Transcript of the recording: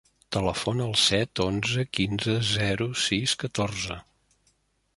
Telefona al set, onze, quinze, zero, sis, catorze.